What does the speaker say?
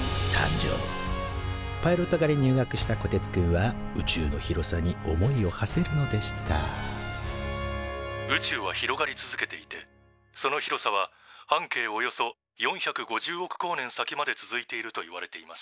パイロット科に入学したこてつくんは宇宙の広さに思いをはせるのでした「宇宙は広がり続けていてその広さは半径およそ４５０億光年先まで続いているといわれています」。